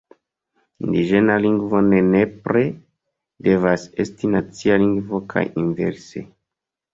Indiĝena lingvo ne nepre devas esti nacia lingvo kaj inverse.